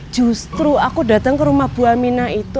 justru aku dateng ke rumah bu aminah itu